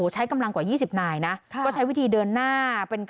ใช้กำลังกว่า๒๐นายน์